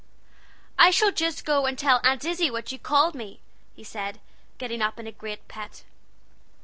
"I shall just go and tell Aunt Izzie what you called me," he said, getting up in a great pet.